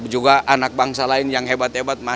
juga anak bangsa lain yang hebat hebat